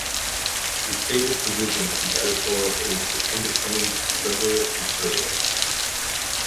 The stated position of the editorial page is independent liberal-conservative.